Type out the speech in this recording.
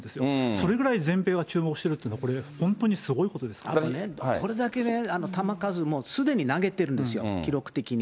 それぐらい全米が注目しているというのは、これ、これだけね、球数もすでに投げてるんですよ、記録的に。